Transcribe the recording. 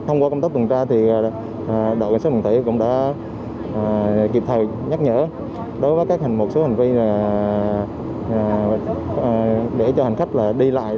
thông qua công tác tuần tra thì đội an toàn thủy cũng đã kịp thời nhắc nhở đối với các hành vi để cho hành khách đi lại